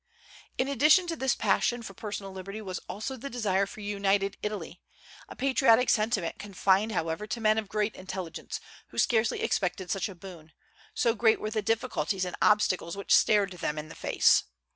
In addition to this passion for personal liberty was also the desire for a united Italy, a patriotic sentiment confined however to men of great intelligence, who scarcely expected such a boon, so great were the difficulties and obstacles which stared them in the face.